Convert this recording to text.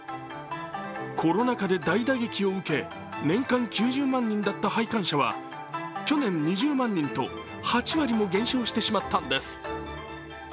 コロナ禍で大打撃を受け年間９０万人だった拝観者は去年、２０万人と８割も減少してしまったんです。